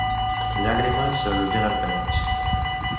Llàgrimes alleugeren penes.